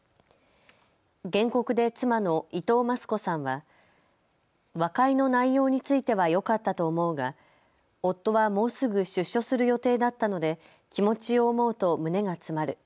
原告で妻の伊藤満寿子さんは和解の内容についてはよかったと思うが夫はもうすぐ出所する予定だったので気持ちを思うと胸が詰まる。